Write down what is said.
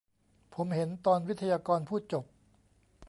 ผมเห็นตอนวิทยากรพูดจบ